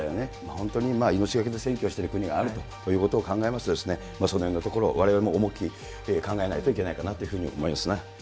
本当に命がけで選挙をしている国があるということを考えますと、そのへんのところ、われわれも重く考えなきゃいけないというふうに思いますね。